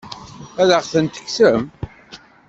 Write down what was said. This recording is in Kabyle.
Ad aɣ-tent-tekksem?